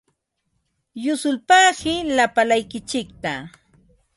Yusulpaaqi lapalaykitsikta.